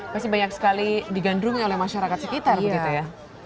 pasti banyak sekali digandrung oleh masyarakat sekitar begitu ya